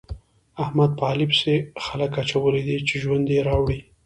احمد په علي پسې خلګ اچولي دي چې ژوند يې راوړي.